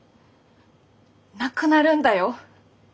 なくなるんだよ。